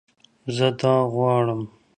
زه دا غواړم